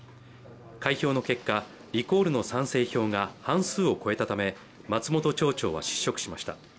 開票の結果、リコールの賛成票が半数を超えたため松本町長は失職しました。